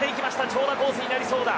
長打コースになりそうだ！